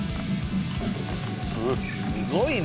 すごいな。